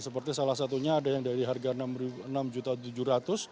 seperti salah satunya ada yang dari harga rp enam tujuh ratus